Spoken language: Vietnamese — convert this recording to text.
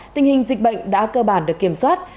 tình hình dịch bệnh đã cơ bản được kiểm soát